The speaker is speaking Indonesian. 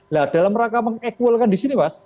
nah dalam rangka mengekualkan di sini mas